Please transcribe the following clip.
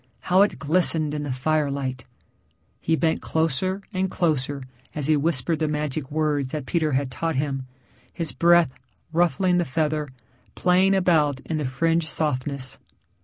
How it glistened in the firelight! He bent closer and closer as he whispered the magic words that Peter had taught him, his breath ruffling the feather, playing about in the fringed softness.